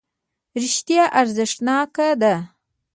رښتیا ارزښتناکه ده.